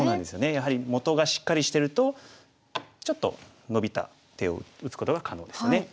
やはり元がしっかりしてるとちょっとのびた手を打つことが可能ですね。